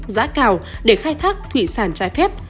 giá cao để khai thác thủy sản trái phép